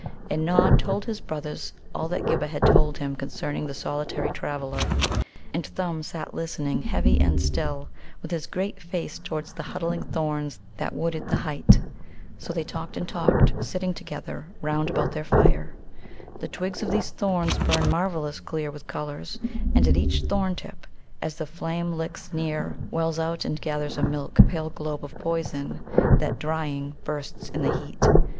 And Nod told his brothers all that Ghibba had told him concerning the solitary traveller. And Thumb sat listening, heavy and still, with his great face towards the huddling thorns that wooded the height. So they talked and talked, sitting together, round about their fire. The twigs of these thorns burn marvellous clear with colours, and at each thorn tip, as the flame licks near, wells out and gathers a milk pale globe of poison that, drying, bursts in the heat.